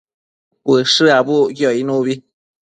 Ushë abucquio icnubi